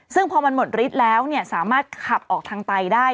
ซึ่งพอมันหมดฤทธิ์แล้วสามารถขับออกทางไตได้